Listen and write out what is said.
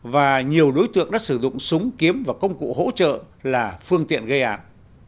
và nhiều đối tượng đã sử dụng súng kiếm và công cụ hỗ trợ là phương tiện gây án